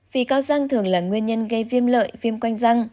vì cao răng thường là nguyên nhân gây viêm lợi viêm quanh răng